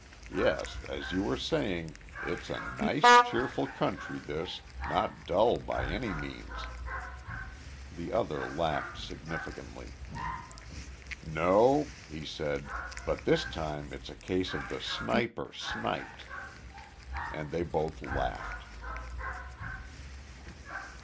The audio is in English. Yes, as you were saying it's a nice cheerful country this, not dull by any means." The other laughed significantly. "No," he said. "But this time it's a case of the sniper sniped." And then they both laughed.